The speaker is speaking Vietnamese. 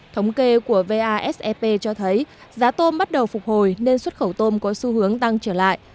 thống kê của vasep cho thấy giá tôm bắt đầu phục hồi nên xuất khẩu tôm có xu hướng tăng trở lại